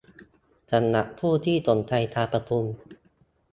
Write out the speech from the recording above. สำหรับผู้ที่สนใจการประชุม